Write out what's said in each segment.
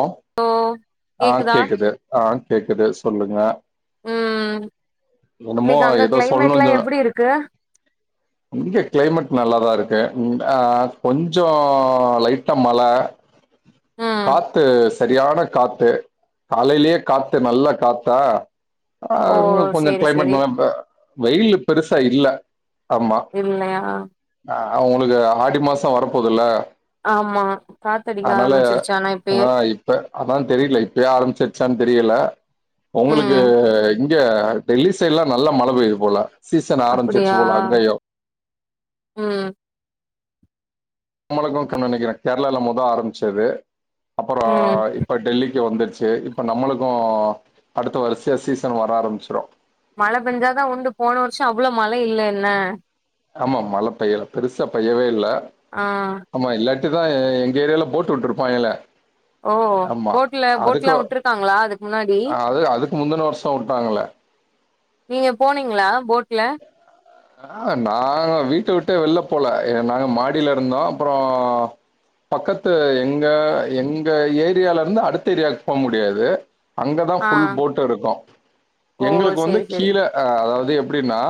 ஓ ஆ கேக்குதா கேக்குது ஆ கேக்குது சொல்லுங்க ம் என்னமோ இன்னைக்கு அங்க ஏதோ கிளைமேட்லா சொல்லணுன் சொ எப்புடி இருக்கு இங்க கிளைமேட் நல்லாதா இருக்கு கொஞ்சோ லைட்டா மழ ம் காத்து சரியான காத் து காலயிலே காத்து நல்ல காத்தா ஆ ஓ அங்க கொஞ்ச சேரி கிளைமேட் சேரி மாறுப்ப வெயிலு பெருசா இல்ல ஆமா இல்லயா அ உங்களுக்கு ஆடி மாச வரப்போதுல்ல ஆமா காத்தடிக்க அதனால ஆரம்பிச்சிருச்சு ஆனா ஆ இப்பயே இப்ப அதா தெரியல இப்பயே ஆரம்பிச்சிருச்சான் தெரியில ஒங்களுக்கு ம் இங்க டெல்லி சைட்லா நல்லா மழ பெய்யுது போல சீசன் ஆரம்பிச்சுருச்சு அப்டியா போல அங்கயு ம் நம்மளுக்கு [unintelligible] நெனைக்கிறே கேர்ளால மொத ஆரம்பிச்சது அப்புற ம் இப்ப டெல்லிக்கு வந்துருச்சு இப்ப நம்மளுக்கு அடுத்த வருசயா சீசன் வர ஆரம்பிச்சிரு மழ பேஞ்சாதா உண்டு போன வருஷ அவ்ளோ மழ இல்ல என்ன ஆமா மழ பெய்யல பெருசா பெய்யவே இல்ல ஆ ஆமா இல்லாட்டிதா எங்க ஏரியால போட்டு விட்டுருப்பாங்கலே ஓ போட்ல போட்லா விட்ருக்காங்களா இதுக்கு முன்னாடி அது அதுக்கு முந்தின வருஷம் விட்டாங்கல்ல. நீங்க போனீங்களா போட்ல ஆ நா வீட்ட விட்டே வெளில போல நாங்க மாடியில இருந்தோ அப்புற பக்கத்து எங்க எங்க ஏரியால இருந்து அடுத்த ஏரியாக்கு போக முடியாது அங்க தா ஆ ஃபுல் போட்டு இருக்கு ஓ எங்களுக்கு வந்து சேரி சேரி கீழ அதாவது எப்டின்னா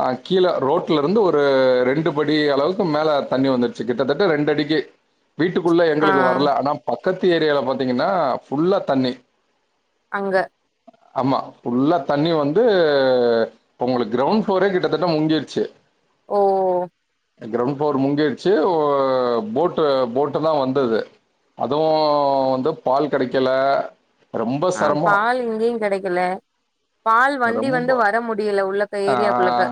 ஆ கீழ ரோட்ல இருந்து ஒரு ரெண்டு படி அளவுக்கு மேல தண்ணி வந்துருச்சு கிட்டத்தட்ட ரெண்டு அடிக்கு வீட்டுக்குள்ள ஆ எங்களுக்கு வர்ல ஆனா பக்கத்து ஏரியால பாத்தீங்கன்னா ஃபுல்லா தண்ணி அங்க ஆமா ஃபுல்லா தண்ணி வந்து உங்களுக்கு கிரவுண்ட் ஃப்ளோரே கிட்ட தட்ட முங்கிச்சு ஓ க்ரௌண்ட் ஃப்ளோர் முங்கிச்சு போட்டு போட்டு தா வந்தது அதுவு வந்து பால் கெடைக்கல ஆ பால் இங்கயு கெடைக்கல பால் வண்டி ரொம்ப வந்து வர முடியல உள்ளக்க ஏரியாக்குள்ளக்க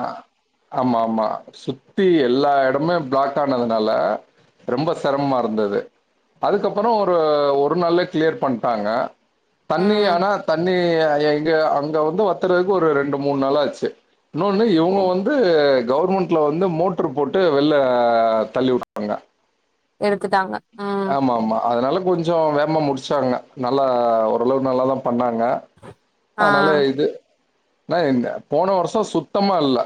ஆமா ஆமா சுத்தி எல்லா எடமே பிளாக் ஆனதுனால ரொம்ப செரமமா இருந்தது அதுக்கப்புறோ ஒரு ஒரு நாள்ளையே கிளியர் பண்டாங்க தண்ணி ம் ஆனா தண்ணி இங்க அங்க வந்து வத்துறதுக்கு ஒரு ரெண்டு மூணு நாள் ஆச்சு இன்னொன்னு இவங்க வந்து கவர்மெண்ட்ல வந்து மோட்ரு போட்டு வெள்ல தள்ளி வுட்டாங்க எடுத்துட்டாங்க ம் ஆமா ஆமா அதனால கொஞ்ச வேமா முடிச்சாங்க நல்லா ஓரளவு நல்லாதா பண்ணாங்க ஆ அதுனால இது ஆனா என் போன வருஷ சுத்தமா இல்ல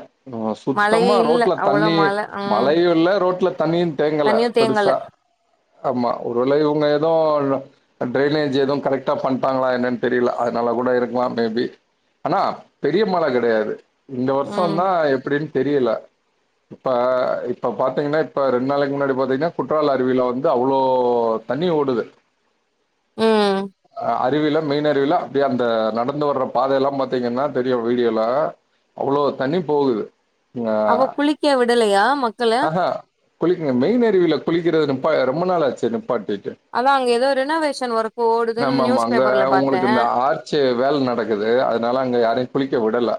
மழையே சுத்தமா இல்ல ரோட்ல அவ்ளோ தண்ணி மழ ம் மழையு இல்ல ரோட்ல தண்ணியு தேங்கல தண்ணியு தேங்கல பெருசா ஆமா ஒருவேள இவங்க ஏதோ டிரைனேஜ் எதுவு கரெக்டா பண்ட்டாங்களா என்னன்னு தெரில அதுனாலா கூட இருக்கலா மேபி ஆனா பெரிய மழ கெடையாது இந்த வருஷோ ம் தா எப்டின்னு தெரியல இப்ப இப்ப பாத்தீங்கன்னா இப்ப ரெண்டு நாளைக்கு முன்னாடி பாத்தீங்கன்னா குற்றால அரு வில வந்து அவ்ளோ தண்ணி ஓடுது ம் அ அறிவில மெய்ன் அறிவில அப்டி அந்த நடந்து வர்ற பாதை எல்லா பாத்தீங்கன்னா தெரியு வீடியோல அவ்ளோ தண்ணி போகுது ஆ, அவ குளிக்க விடலையா மக்கள குளிக்கங்க மெயின் அருவில குளிக்கிறது நிப்பா ரொம்ப நாள் ஆச்சே நிப்பாட்டிட்டு அதா அங்க ஏதோ ரினோவேஷன் ஒர்க் ஓடுதுன்னு நியூஸ் பேப்பர்ல பாத்தே ச்சு வேல நடக்குது அதனால அங்க யாரையு குளிக்க விடல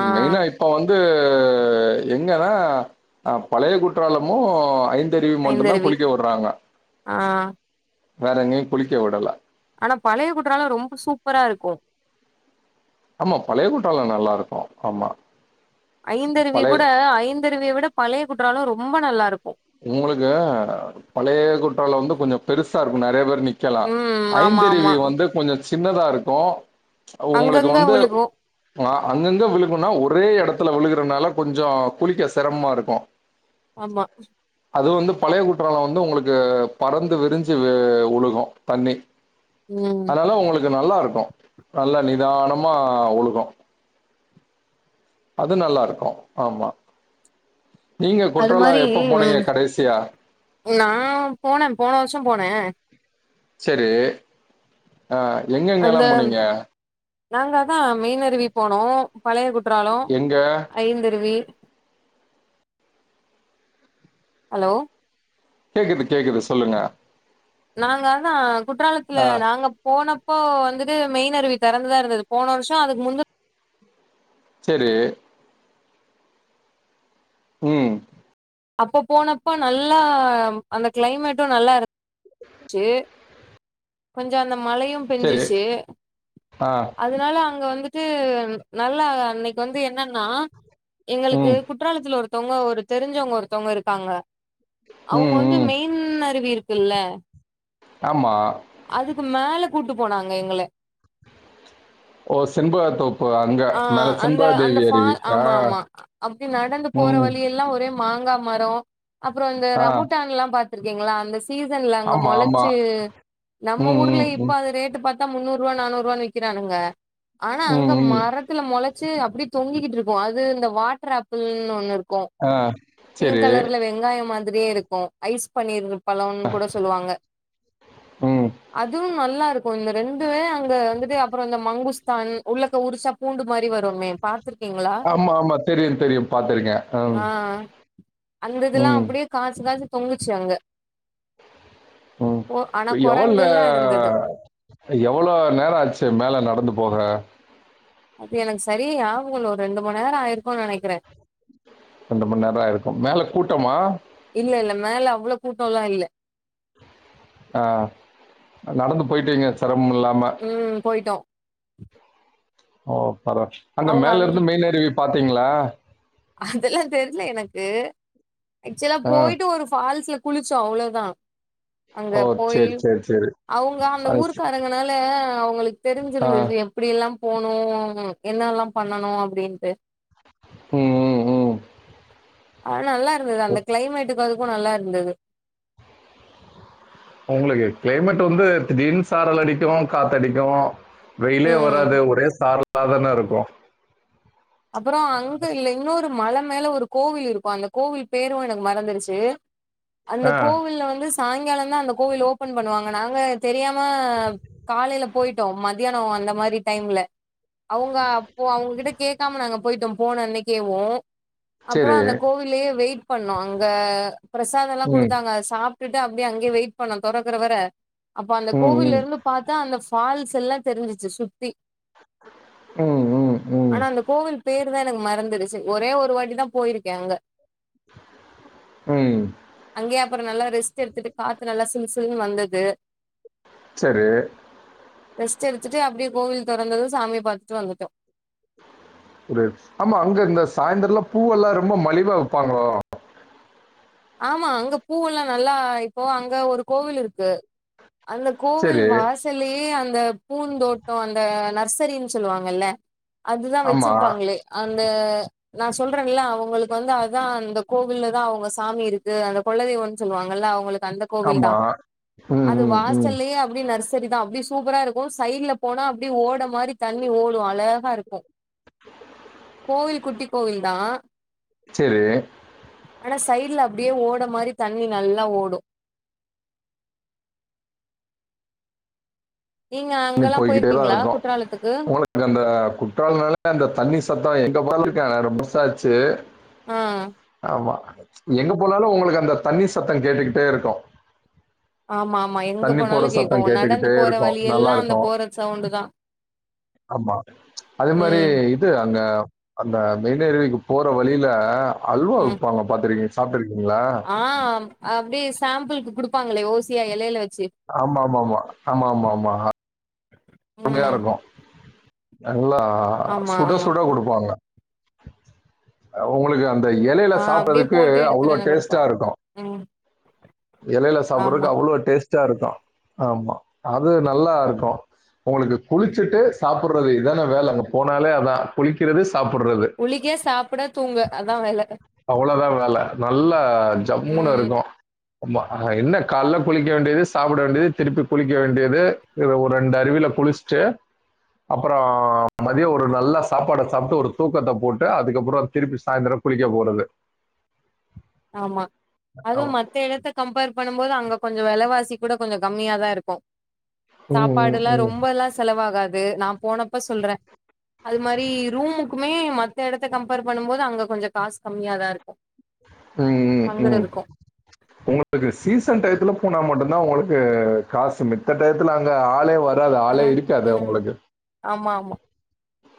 ஆ மெயினா இப் இப்ப வந்து எங்கனா பழைய குற்றாலமு ஐந் தெரிவி மட்டு தா ஐந்தருவி குளிக்க விடுறாங்க ஆ வேற எங்கயு குளிக்க விடல ஆனா பழைய குற்றால ரொம்ப சூப்பரா இருக்கு ஆமா பழைய குற்றால நல்லா இருக்கு ஆமா ஐந்தருவி பழைய கூட ஐந்தருவிய விட பழைய குற்றால ரொம்ப நல்லா இருக்கு உங்களுக்கு பழய குற்றால வந்து கொஞ்ச பெருசா இருக்கு நெறைய பேரு க்கலா ம் ஆமா ஆமா ஐந்தருவி வந்து கொஞ்ச சின்னதா இருக்கு உங்களுக்கு அங்கங்க வந்து விழுகு ஆ அங்கங்க விழுகுனா ஒரே எடத்துல விழுகுறனால கொஞ்சோ குளிக்க செரமமா இருக்கு ஆமா அது வந்து பழைய குற்றால வந்து உங்களுக்கு பறந்து விரிஞ்சு வுழுகு தண்ணி ம் அதனால உங்களுக்கு நல்லா இருக்கு நல்லா நிதானமா வுழுகு அது நல்லா இருக்கு ஆமா நீங்க அது குற்றால மாரி எப்ப ம் போனீங்க கடைசியா நா போனே போன வருஷோ போனே சரி ஆ எங்கங்க அந்த எல்லா போனீங்க நாங்க அதா மெயின் அருவி போனோ பழைய குற்றாலோ எங்க ஐந்தருவி ஹலோ கேக்குது கேக்குது சொல்லுங்க நாங்க அதா குற்றாலத்துல ஆ நாங்கப் போனப்போ வந்துட்டு மெயின் அருவி தெறந்துதா இருந்தது போன வருஷோ அதுக்கு முந்து செரி ம் அப்ப போனப்ப நல்லா அந்த கிளைமேட்டு நல்லா இருக் ச்சி கொஞ்சோ அந்த மழையு சரி. பெஞ்சுச்சு அது ஆ. அதனால அங்க வந்துட்டு நல்லா அன்னைக்கு வந்து என்னன்னா எங்களுக்கு ம். குற்றாலத்தல்ல ஒருத்தொவுங்க ஒரு தெரிஞ்சவுங்க ஒருத்தவுங்க இருக்காங்க அவுங்க ம். வந் து ம். மெயின் அருவி இருக்குல்ல ஆமா அதுக்கு மேல கூட்டு போனாங்க எங்கள ஓ! செண்பக தோப்பு அங்க. ஆ மேல அந்த செண்பக அந்த தேவி ஃபா அருவி. ஆ. ஆமா ஆமா அப்டி நடந்து போற ம். வழி எல்லா ஒரே மாங்கா மரம் அப்புற இந்த ஆ. ரமுட்டான் எல்லா பாத்துருக்கீங்களா அந்த சீசன்ல அங்க ஆமா, ஆமா. முளச்சு நம்ம ம். ஊர்ல ம். இப்ப அது ரேட்டு பா முன்னூறு ரூபா நானூறு ரூபான்னு விக்கிறானுங்க ஆனா ம். அங்க ம். ம். மரத்து த்துல முளச்சு அப்டி தொங்கிக்கிட்டு இருக்கு அது இந்த வாட்டர் ஆப்பிள்னு ஒண்ணு இருக் கு ஆ. பிங்க் சரி. கலர்ல வெங்காயம் மா திரி இருக்கும் ஐஸ் பன்னீர் பழம் கூட சொல்லுவாங்க ம். அதுவு நல்லா இருக்கு இந்த ரெண்டுமே அங்க வந்துட்டு அப்புறோ இந்த மங்குஸ்தான் உள்ளக்க உறுச்சா பூண்டு மாரி வருமே பாத்துருக்கீங்களா ஆமா, ஆமா. தெரியும், தெரியும். பார்த்துருக்கேன். ம். ஆ அந்த இதுல்லா ம். அப்டியே காச்சு காச்சு தொங்குச்சு அங்க உம் ஓ ஆனா இப்ப எவ்ளோங்க கொரங்குல்லா இருந்தது எவ்ளோ நேரம் ஆச்சு மேல நடந்து போக அப்ப எனக்கு சரியா நியாபகம் இல்ல ஒரு ரெண்டு மண் நேரம் ஆயிருக்கும் நினைக்கிற ரெண்டு மண் நேரம் ஆயிருக்கும் மேல கூட்டமா இல்ல இல்ல மேல அவ்ளோ கூட்டோல்லா இல்ல ஆ நடந்து போயிட்டீங்க சிரமம் இல்லாம ம் போயிட்டோ ஓ பரவ அங்க அவங்க மேல அந்த இருந்து மெயின் அருவி பாத்தீங்களா அதெல்லா தெரில எனக்கு ஆக்சுவலா ஆ. போயிட்டு ஒரு ஃபால்ஸ்ல குளிச்சோ அவ்வளோ தா ஓ சேரி சேரி சேரி அவுங்க அந்த ஊருக்காரங்கனால அவுங்களுக்கு ஆ. தெரிஞ்சிருந்தது எப்டி எல்லா போனு என்னெல்லா பண்ணனும் அப்டின்ட்டு உம் உம் உம் அ நல்லா இருந்தது அந்த கிளைமேட்டுக்கு அதுக்கு நல்லா இருந்தது உங்களுக்கு கிளைமேட் வந்து திடீர்னு சாரல் அடிக்கு காத்தடிக்கு வெயிலே ம் வராது ஒரே சாரலா தான இருக்கும் அப்புறோ அங்க இல்ல இன்னொரு மல மேல ஒரு கோவில் இருக்கும் அந்த கோவில் பேரும் எனக்கு மறந்துருச்சு அந்த ஆ. கோவில்ல வந்து சாயங்காலம் தா அந்த கோவில் ஓபன் பண்ணுவாங்க நாங்க தெரியாம காலையில போயிட்டோம் மதியானம் அந்த மாதிரி டைம்ல அவுங்க அப்ப அவுங்ககிட்ட கே க்காம நாங்க போயிட்டோம் போன அன்னைக்கேவு அப்புறோ சரி. அந்த கோவில்லயே வெயிட் பண்ணோ அங்க பிரசாதம் எல்லா ம். குடுத்தாங்க அத சாப் ட்டுட்டு அப்டியே அங்கே வெயிட் பண்ணோ துறக்கற வர அப்ப அந்த ம், கோவில்ல ம். இருந்து பாத்தா அந்த ஃபால்ஸ் எல்லா தெரிஞ்சிச்சு சுத்தி உம் உம் உம் ஆனா அந்த கோவில் பேரு தா எனக்கு மறந்துருச்சு ஒரே ஒரு வாட்டி தா போயிருக்க அங்க உம் அங்கயே அப்புறோ நல்லா ரெஸ்ட் எடுத்துட்டு காத்து நல்லா சிலு சிலுன் வந்தது செரி ரெஸ்ட்டு எடுத்துட்டு அப்டியே கோவில் தொறந்தது சாமிய பாத்துட்டு வந்துட்டோ குடு ஆமா அங்க இந்த சாயந்தரல்லா பூவெல்லா ரொம்ப மலிவா விப்பாங்களோ ஆமா அங்க பூவெல்லா நல்லா இப்போ அங்க ஒரு கோவில் இருக்கு அந்த கோவில் சரி. வாச சல்லையே அந்த பூ தோட்டோ அந்த நர்சரின்னு சொல்லுவாங்கல்ல அதுதா ஆமா, வெச்சிருப்பாங்களே அந்த நா சொல்றன்ல அவுங்களுக்கு வந்து அதா அந்த கோவில்ல தா அவுங்க சாமி இருக்கு அந்த கொலதெய்வோன்னு சொல்லுவாங்கல்ல அவுங்களுக்கு அந்த கோவில் தா ஆமா. ம், அது ம், ம். வாசல்லையே அப்டி நர்சரி தா அப்டி சூப்பரா இருக்கு சைட்ல போனா அப்டியே ஓட மாரி தண்ணி ஓடு அழகா இருக்கு கோவில் குட்டி கோவில் தா செரி ஆனா சைட்ல அப்டியே ஓட மாரி தண்ணி நல்லா ஓடு நீங்க அங்கல்லா போயிருக்கீங்களா குற்றாலத்துக்கு அது அந்த குற்றாலோனால அந்த தண்ணி சத்தோ எங்க போனாலு கேக்கு ஆனா ரொம்ப வருஷோ ஆச்சு ஆ ஆமா எங்க போனாலு உங்களுக்கு அந்த தண்ணி சத்தோ கேட்டுக்கிட்டே இருக்கு ஆமா ஆமா எங்க போனாலு போற கேக்கு சத்தம் கேட்டுக்கிட்டே நடந்து போற இருக்கும் வழி நல்லா எல்லா அந்த இருக்கும் போற சவுண்டு தா ஆமா அதே மாரி ம் இது அங்க அந்த மெயின்னருவிக்கு போற வழில அல்வா ம் விப்பாங்க பாத்துக்கீங் சாப்டிருக்கீங்களா ஆ அப்டியே சாம்பிளுக்கு குடுப்பாங்களே ஓசியா எலையில வெச்சு ஆமா ஆமா ஆமா ஆமா ஆமா ஆமா செமையா ம் இருக்கு நல்லா ஆமா சுட ஆமா சுட குடுப்பாங்க உங்களுக்கு அந்த எலையில ஆ அப்டியே சாப்பட்றதுக்கு போட்டு அவ்ளோ எடுத்துட்டு வந்து குடுப்பா டேஸ்டா இருக்கு ம் எலையில ஆமா சாப்பட்றக்கு அவ்ளோ டேஸ்டா இருக்கு ஆமா அது நல்லா இருக்கு உங்களுக்கு குளிச்சிட்டு சாப்புட்றது இத்தானே வேல அங்க போனாலே அதா குளிக்கிறது சாப்புட்றது குளிக்க சாப்புட அவ்ளோதா வேல நல்லா ஜம்முனு ம் இருக்கு ஆமா ஆ ஹா என்ன கால்ல குளிக்க வேண்டிது சாப்பூட வேண்டிது திருப்பி குளிக்க வேண்டிது இதுல ஒரு ரெண்டு அருவில குளிச்சிட்டு அப்றோ மதியோ ஒரு நல்ல சாப்பாட சாப்புட்டு ஒரு தூக்கத்த போட்டு அதுக்கப்றோ திருப்பி சாய்ந்திரோ குளிக்க போறது ஆமா அதுவு ஆமா. மத்த எடைத்த கம்பேர் பண்ணும் போது அங்க கொஞ்சோ வேலவாசி கூடோ கொஞ்சோ கம்மியா தா இருக்கு ம், ம், சாப்பாடுலா ம். ரொம்பல்லா செலவாகாது நா போனப்ப சொல்றே அது மாரி ரூமுக்குமே மத்த எடத்த கம்பேர் பண்ணும் போது அங்க கொஞ்சோ காசு கம்மியா தா இருக்கு ம் ம் ம் தங்குறதுக்கு [inaudible] உங்களுக்கு சீசன் டையத்துலா போனா மட்டு தா உங்களுக்கு காசு மித்த டையத்துலா அங்க ஆளே வர வராது ஆளே பரவால் இருக்காது ம் உங்களுக்கு ஆமா ஆமா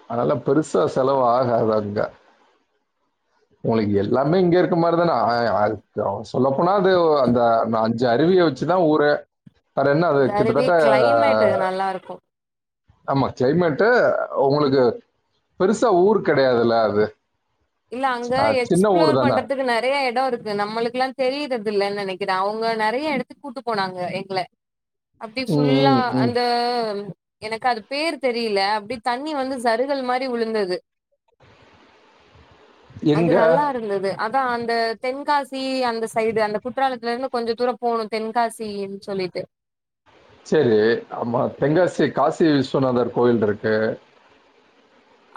அதனால பெருசா செலவு ஆகாது அங்க உங்களுக்கு எல்லாமே இங்க இருக்க மாரிதானே அ அது சொல்லப்போனா அது ஒ அந்த நா அஞ்சு அருவிய வெச்சு வெச்சி தா ஊரு வேற என்ன அது இது அருவி கிட்டத்தட்ட கிளைமேட் நல்லா இருக்கு ஆமா கிளைமேட்டு ஒங்ளுக்கு பெருசா ஊர் கெடயாதுல்ல அது இல்ல அங்க அஹ், சின்ன ஊர் எக்ஸ்ப்ளோர் தானே பண்றதுக்கு நறைய எடோரு க்கு நம்மளுக்கல்லா தெரிறதில்லன் நெனக்கிறே அவுங்க நறைய எடத்துக்கு கூட்டு போனாங்க எங்கள அப்டி ஃபுல்லா ம், ம், ம். அந்த எனக்கு அது பேர் தெரில அப்டி தண்ணி வந்து சருகல் மாரி வுழுந்தது அது எங்க நல்லாருந்தது அதா அந்த தென்காசி அந்த சைடு அந்த குற்றாலத்துலந்து கொஞ்சோ தூரோ போணு தென்காசின் சொல்லிட்டு சேரி ஆமா தென்காசி காசி விஸ்வநாதர் கோயில்ருக்கு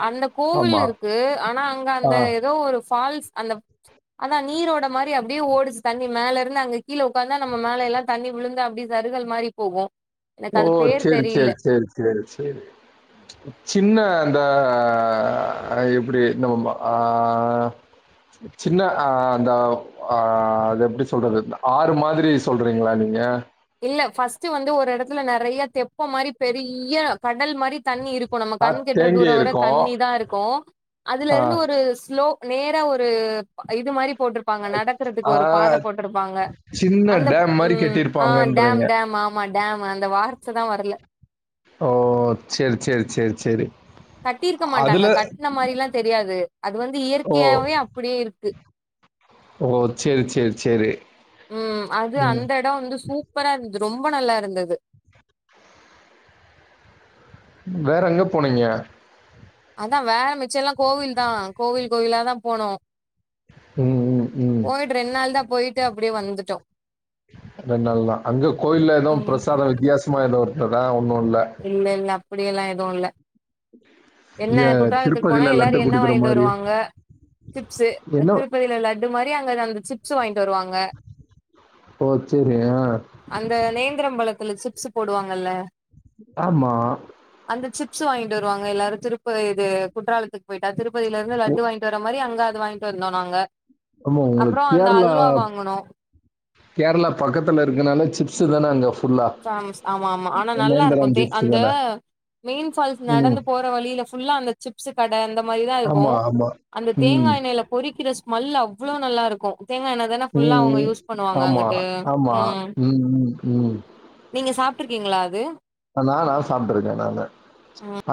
அந்த கோவில் ஆமா இருக்கு ஆனா அங்க ஆ அந்த ஏதோ ஒரு ஃபால்ஸ் அந்த அதா நீரோட மாரி அப்டியே ஓடுச்சு தண்ணி மேலருந்து அங்க கீழ ஒக்காந்தா நம்ம மேலயெல்லா தண்ணி விழுந்து அப்டி சருகல் மாரி போகு எனக்கது பேர் தெரில சேரி சேரி சின்ன அந்த எப்டி நம்ம ம ஆ சின்ன ஆ அந்த ஆ அது எப்டி சொல்றது ஆறு மாதிரி சொல்றீங்ளா நீங்க இல்ல ஃபர்ஸ்ட்டு வந்து ஒரு எடத்துல நறைய தெப்போ மாரி பெரிய கடல் மாரி தண்ணி இருக்கு நம்ம ஆ கண் கெட்ற தேங்கி தூரோ வர இருக்கும். தண்ணி தாருக்கு ஆ, அதுலருந்து ஒரு ஸ்லோ நேரா ஒரு இது மாரி போட்ருப் பாங்க நடக்கறதுக்கு ஆ ஒரு பாத போட்ருப்பாங்க சின்ன அந்த டேம் மாரி ம் கட்டியிருப்பாங்கன்றீங்க. ஆமா ஆமா டேம்மு அந்த வார்த்த தா வரல ஓ சேர் சேர் சேரி சேரி கட்டியிருக்க மாட்டாங்க கட்ன மாரில்லா தெரியாது அது வந்து ஓ! இயற்கையாவே அப்டியே இருக்கு ஓ சேரி சேரி சேரி ம் அது அந்த எடோ வந்து சூப்பராருந்து ரொம்ப நல்லாருந்தது வேற எங்க போனீங்க அதா வேற மிச்செல்லா கோவில் தா கோவில் கோவிலா தா போனோ ம் ம் ம் ரெண் நாள் தா போய்ட்டு அப்டியே வந்துட்டோ ரெண் நாள் தா அங்க கோயில்ல எது ம் பிரசாத வித்தியாசமா எது இருந்ததா ஒண்ணுல்ல இல்லெல்ல அப்டியெல்லா எது இல்ல என்ன இங்க குற்றாலத்துக்கு போனா திருப்பதில எல்லாரு லட்டு என்ன குடுக்குற வாய்ன்ட்டு மாரி. வருவாங்க சிப்ஸ்சு என்ன திருப்பதில லட் இது மாரி அங்க அந்த சிப்ஸ்சு வாங்கிட்டு வருவாங்க ஓ சேரி ஆ அந்த நேந்த்ரம் பழத்துல சிப்ஸ்சு போடுவாங்கல்லே ஆமா அந்த சிப்ஸு வாய்ன்ட்டு வருவாங்க எல்லாரு திருப்ப இது குற்றாலத்து போய்ட்டா திருப்பதிலருந்து லட்டு வாய்ன்ட்டு வர மாரி அங்க அது வாய்ன்ட்டு வந்தோ நாங்க ஆமா ஒங்ளுக்கு அப்றோ அந்த கேர்ளா அல்வா வாங்குனோ கேர்ளா பக்கத்திலருக்கனால சிப்ஸ்சு தான அங்க ஃபுல்லா ஃபேமஸ் ஆமாமா ஆனா நல்லாருக்கு நேந்திரம் தே சிப்ஸ் அந்த தானே மெயின் ஃபால்ஸ் ம் நடந்து போ ற வழில ஃபுல்லா அந்த சிப்ஸு கட அந்த மாரிதாருக்கு ஆமா ஆமா அந்த ம் தேங்கா எண்ணய்ல பொறிக்கிற ஸ்மெல் அவ்ளோ நல்லாருக்கு தேங்கா எண்ண தான ஃபுல்லா அவுங்க ம் யூஸ் பண்ணுவாங்க ஆமா அங்குட்டு ஆமா ம் ம் ம் நீங்க சாப்ட்ருக்கீங்ளா அது நானா சாப்ட்ருக்கே நானு அ